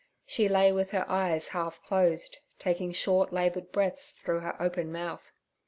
She lay with her eyes half closed, taking short laboured breaths through her open mouth.